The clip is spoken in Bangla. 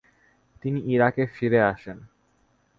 তিনি ইরাকে ফিরে আসেন।